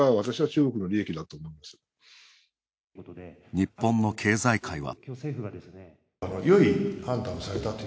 日本の経済界は。